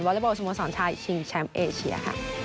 วอลเล็บอลสมสรรชายชิงแชมป์เอเชีย